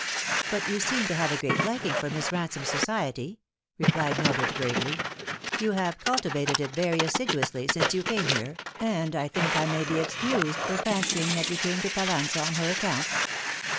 " But you seem to have a great liking for Miss Ransome's society," replied Mildred gravely. " You have cultivated it very assiduously since you came here, and I think I may be excused for fancying that you came to Pallanza on her account."